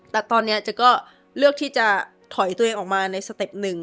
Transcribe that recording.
แต่ตอนนี้เจ๊ก็เลือกที่จะถอยตัวเองออกมาในสเต็ปหนึ่ง